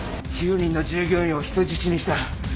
９人の従業員を人質にした。